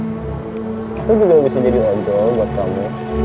aku juga bisa jadi anjol buat kamu